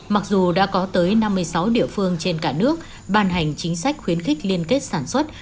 mặc dù đã có tới năm mươi sáu địa phương trên cả nước ban hành chính sách khuyến khích liên kết sản xuất